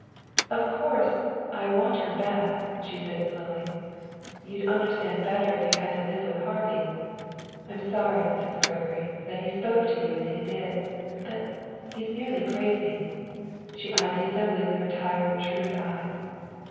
"Of course, I want her back," she said slowly. "You'd understand better if you had to live with Harvey. I'm sorry, Mrs. Gregory, that he spoke to you as he did, but he's nearly crazy." She eyed the assembly with her tired shrewd eyes.